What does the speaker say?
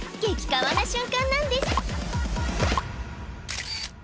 カワな瞬間なんです